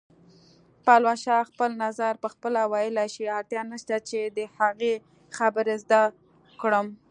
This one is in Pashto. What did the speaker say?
پلوشه خپل نظر پخپله ویلی شي، اړتیا نشته چې د هغې خبرې زه وکړم